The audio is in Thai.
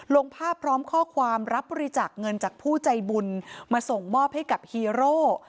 ลงภาพพร้อมข้อความรับบริจาคเงินจากผู้ใจบุญมาส่งมอบให้กับฮีโร่